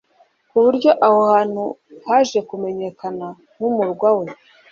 ku buryo aho hantu haje kumenyekana nk’ “umurwa we